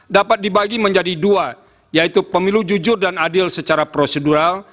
dapat dibagi menjadi dua yaitu pemilu jujur dan adil secara prosedural